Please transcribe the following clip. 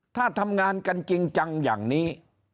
ถ้าทำงานกันจริงจังอย่างนี้